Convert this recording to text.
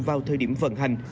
vào thời điểm vận hành